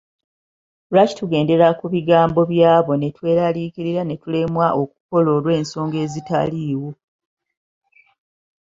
Lwaki tugendera ku bigambo by’abo ne tweraliikirira ne tulemwa okukola olw’ensonga ezitaaliwo.